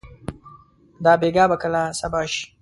دا بېګا به کله صبا شي؟